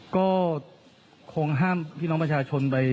ก็คงห้ามพี่น้องประชาชนไป